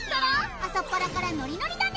朝っぱらからノリノリだね。